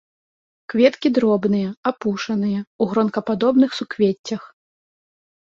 Кветкі дробныя, апушаныя, у гронкападобных суквеццях.